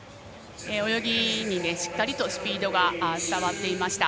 泳ぎにしっかりとスピードが伝わっていました。